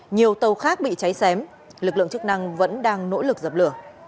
nhiều tàu khác bị cháy xém lực lượng chức năng vẫn đang nỗ lực dập lửa